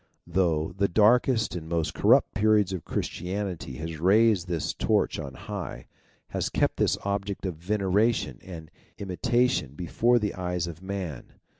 Through the darkest and most corrupt periods Christianity has raised this torch on high has kept this object of veneration and imitation before the eyes of man.